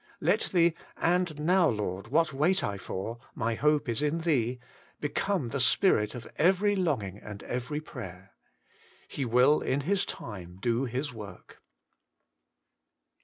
Let the, * And now. Lord, what wait I for % My hope is in Thee ' become the spirit of every longing and every prayer. He will in His time do His work.